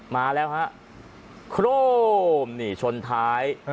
มาแล้วฮะโครมนี่ชนท้าย